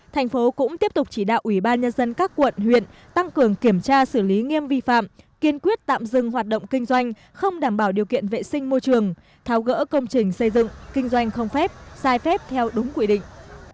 thành phố cũng tiếp tục chỉ đạo ủy ban nhân dân các quận huyện tăng cường kiểm tra xử lý nghiêm vi phạm kiên quyết tạm dừng hoạt động kinh doanh không đảm bảo điều kiện vệ sinh môi trường tháo gỡ công trình xây dựng kinh doanh không phép sai phép theo đúng quy định